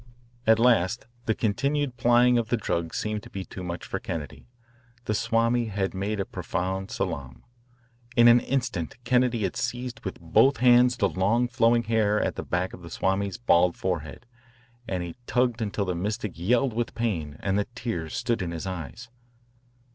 At last the continued plying of the drug seemed to be too much for Kennedy. The Swami had made a profound salaam. In an instant Kennedy had seized with both hands the long flowing hair at the back of the Swami's bald forehead, and he tugged until the mystic yelled with pain and the tears stood in his eyes.